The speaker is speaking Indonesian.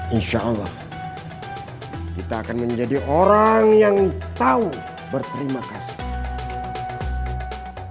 insya allah kita akan menjadi orang yang tahu berterima kasih